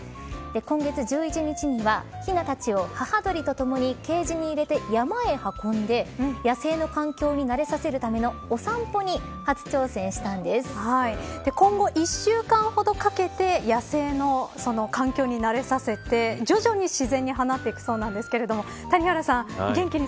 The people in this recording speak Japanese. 今月１１日にはひなたちを母鳥とともにケージに入れて山へ運んで、野生の環境に慣れさせるための今後１週間ほどかけて野生の環境に慣れさせて徐々に自然に放っていくそうなんですけれども谷原さん